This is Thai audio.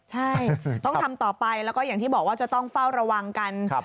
ใช่ต้องทำต่อไปแล้วก็อย่างที่บอกว่าจะต้องเฝ้าระวังกัน